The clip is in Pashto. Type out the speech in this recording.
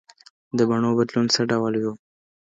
د بڼو بدلون څه ډول و؟